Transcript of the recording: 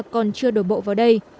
còn chưa đổ bộ vào đây